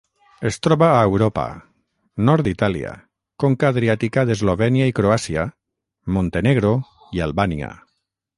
Es troba a Europa: nord d'Itàlia, conca adriàtica d'Eslovènia i Croàcia, Montenegro i Albània.